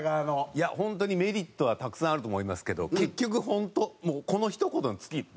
いや本当にメリットはたくさんあると思いますけど結局本当もうこのひと言に尽きる。